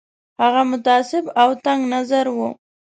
هغه متعصب او تنګ نظر وو.